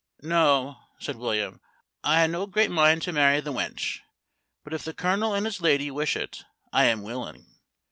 "No," said William, "I ha' no great mind to marry the wench: but if the Colonel and his lady wish it, I am willing.